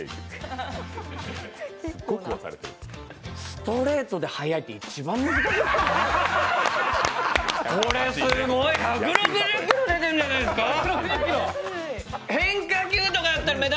ストレートで速いって一番難しいですからね。